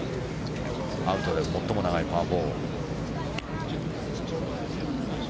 アウトで最も長いパー４。